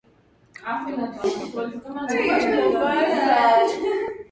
ya kufika pale wakati wa mchana Tovuti